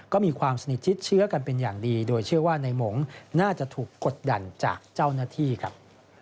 ก็มีความสนิทชิดเชื้อกันเป็นอย่างดีโดยเชื่อว่าในหมงน่าจะถูกกดดันจากเจ้าหน้าที่ครับ